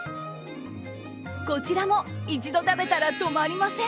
こちらも一度食べたら止まりません。